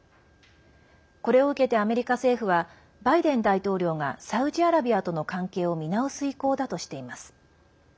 これを受けてアメリカ政府はバイデン大統領がサウジアラビアとの関係を見直す意向だとしています。